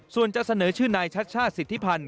ส่วนจะเสนอชื่อนายชัชชาติสิทธิพันธ์